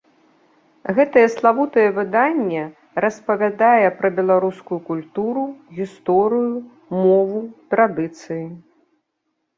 Гэтае славутае выданне распавядае пра беларускую культуру, гісторыю, мову, традыцыі.